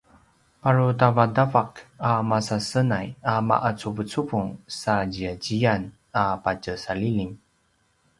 parutavatavak a masasenay a ma’acuvucuvung sa ziyaziyan a patjesalilim